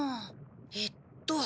えっと。